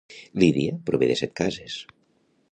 Lídia prové de Setcases